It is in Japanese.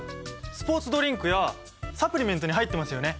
スポーツドリンクやサプリメントに入ってますよね！